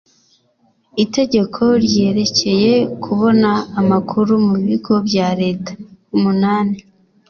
itegeko ryerekeye kubona amakuru mu bigo bya leta umunani